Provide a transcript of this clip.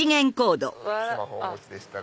スマホをお持ちでしたら。